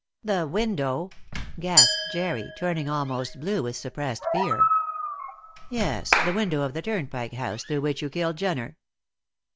"The window!" gasped Jerry, turning almost blue with suppressed fear. "Yes; the window of the Turnpike House through which you killed Jenner."